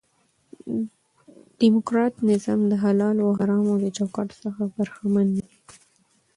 ډیموکراټ نظام دحلالو او حرامو د چوکاټ څخه برخمن نه دي.